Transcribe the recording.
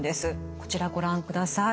こちらご覧ください。